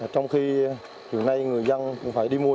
trong khi chiều nay người dân cũng phải đi về nhà